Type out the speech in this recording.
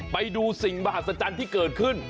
ไปดูสิ่งมหัศจรรย์ที่เกิดขึ้น